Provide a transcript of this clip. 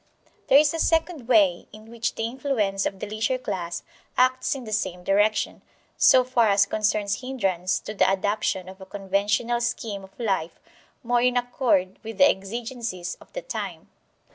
There is a second way in which the influence of the leisure class acts in the same direction, so far as concerns hindrance to the adoption of a conventional scheme of life more in accord with the exigencies of the time.